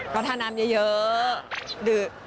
ก็ทาน้ำเยอะ